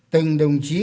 từng đồng chí